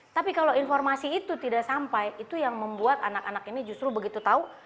tapi kalau informasi itu tidak sampai itu yang membuat anak anak ini justru begitu tahu